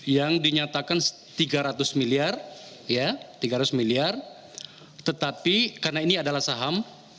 yang dinyatakan tiga ratus miliar tiga ratus miliar tetapi karena ini adalah saham